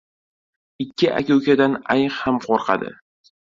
• Ikki aka-ukadan ayiq ham qo‘rqadi.